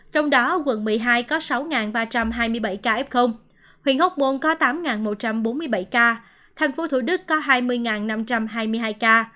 trong đó quận một mươi hai có sáu ba trăm hai mươi bảy ca f huyện hốc bôn có tám một trăm bốn mươi bảy ca thành phố thủ đức có hai mươi năm trăm hai mươi hai ca